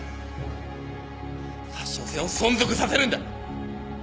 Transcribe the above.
札沼線を存続させるんだ。